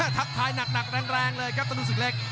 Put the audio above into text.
ทักทายหนักแรงเลยครับธนูศึกเล็ก